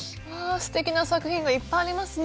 すてきな作品がいっぱいありますね。